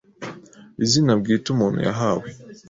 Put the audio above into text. Izina bwite umuntu yahawe